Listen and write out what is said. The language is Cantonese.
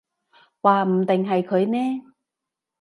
話唔定係佢呢